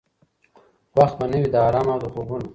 وخت به نه وي د آرام او د خوبونو؟